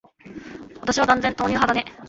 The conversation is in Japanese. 私は断然、豆乳派だね。